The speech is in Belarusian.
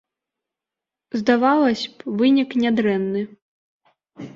Здавалася б, вынік нядрэнны.